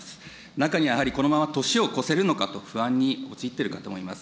中にはやはりこのまま年を越せるのかと不安に陥っている方もいます。